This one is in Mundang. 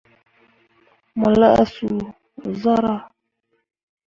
Mo lah suu zarah.